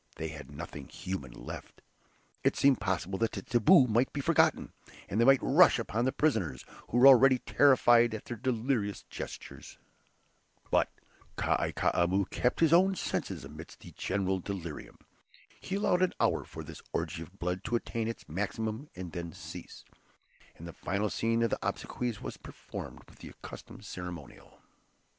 They had nothing human left. It seemed possible that the "taboo" might be forgotten, and they might rush upon the prisoners, who were already terrified at their delirious gestures. But Kai Koumou had kept his own senses amidst the general delirium. He allowed an hour for this orgy of blood to attain its maximum and then cease, and the final scene of the obsequies was performed with the accustomed ceremonial.